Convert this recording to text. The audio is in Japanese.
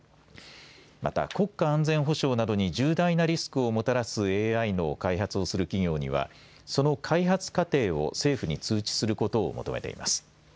また国家安全保障などに重大なリスクをもたらすＡＩの開発をする企業にはその開発過程を政府に通知することを求めています。